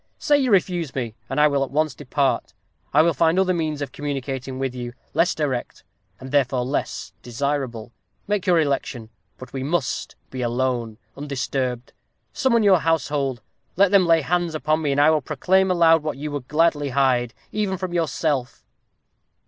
Say you refuse me, and I will at once depart. I will find other means of communicating with you less direct, and therefore less desirable. Make your election. But we must be alone undisturbed. Summon your household let them lay hands upon me, and I will proclaim aloud what you would gladly hide, even from yourself."